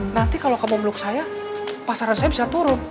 nanti kalau kamu memeluk saya pasaran saya bisa turun